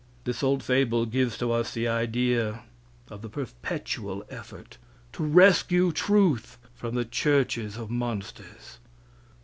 This old fable gives to us the idea of the perpetual effort to rescue truth from the churches of monsters.